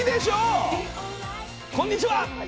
こんにちは。